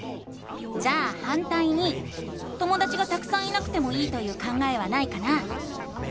じゃあ「反対に」ともだちがたくさんいなくてもいいという考えはないかな？